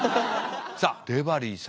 さあデバリーさんが。